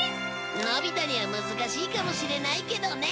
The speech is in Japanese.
のび太には難しいかもしれないけどね。